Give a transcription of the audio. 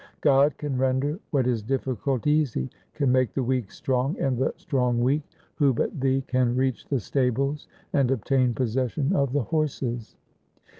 God can render what is difficult easy, can make the weak strong and the strong weak. Who but thee can reach the stables and obtain possession of the horses